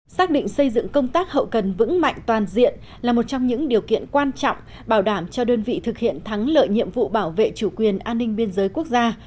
xác định xây dựng công tác hậu cần vững mạnh toàn diện là một trong những điều kiện quan trọng bảo đảm cho đơn vị thực hiện thắng lợi nhiệm vụ bảo vệ chủ quyền an ninh biên giới quốc gia